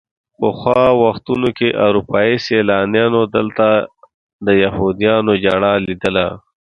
پخوا وختونو کې اروپایي سیلانیانو دلته د یهودیانو ژړا لیدله.